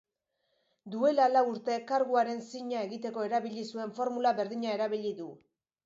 Duela lau urte karguaren zina egiteko erabili zuen formula berdina erabili du.